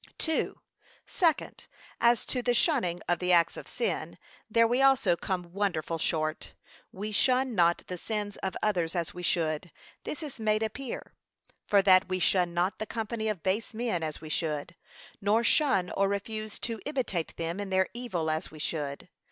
II. Second, As to the shunning of the acts of sin, there we also come wonderful short. We shun not the sins of others as we should. This is made appear, (1.) For that we shun not the company of base men as we should. (2.) Nor shun or refuse to imitate them in their evil, as we should.